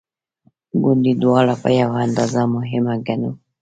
ګوندې دواړه په یوه اندازه مهمه ګڼو.